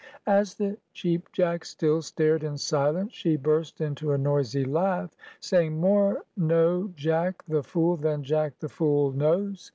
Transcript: As the Cheap Jack still stared in silence, she burst into a noisy laugh, saying, "More know Jack the Fool than Jack the Fool knows."